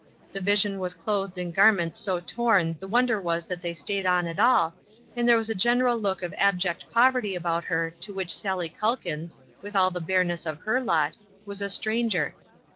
The vision was clothed in garments so torn the wonder was that they stayed on at all, and there was a general look of abject poverty about her to which Sallie Calkins, with all the bareness of her lot, was a stranger.